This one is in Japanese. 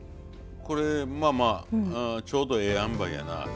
これまあまあちょうどええ塩梅やな。